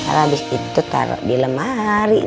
karena abis itu taro di lemari deh